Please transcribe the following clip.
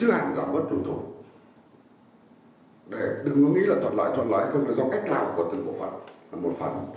đừng có nghĩ là thuận lợi thuận lợi không là do cách làm của từng bộ phận là một phần